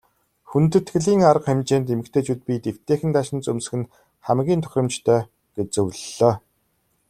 Хүндэтгэлийн арга хэмжээнд эмэгтэйчүүд биед эвтэйхэн даашинз өмсөх нь хамгийн тохиромжтой гэж зөвлөлөө.